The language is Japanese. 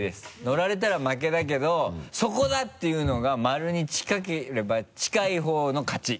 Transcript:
乗られたら負けだけど「そこだ！」って言うのが丸に近ければ近いほうの勝ち。